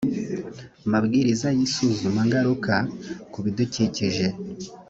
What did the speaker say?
mabwiriza y isuzumangaruka ku bidukikije